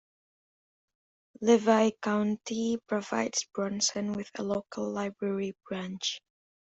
Levy County provides Bronson with a local library branch.